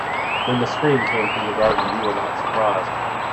When the scream came from the garden you were not surprised.